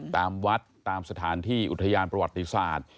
ตามวัดตามสถานที่อุทยานประวัติศาสตร์